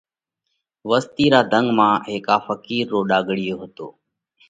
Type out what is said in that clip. وستِي را ڌنڳ مانه هيڪا ڦقِير رو ڍاۯِيو هتو۔